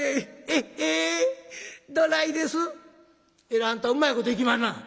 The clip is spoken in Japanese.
「えらいあんたうまいこといきまんな」。